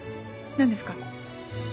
何ですか？